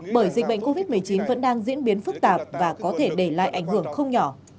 bởi dịch bệnh covid một mươi chín vẫn đang diễn biến phức tạp và có thể để lại ảnh hưởng không nhỏ